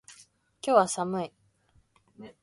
今日は寒い。